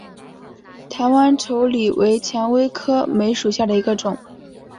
台湾稠李为蔷薇科梅属下的一个种。